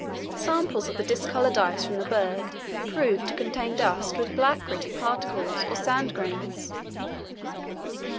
Samples of the discoloured ice from the berg proved to contain dust with black gritty particles or sand grains.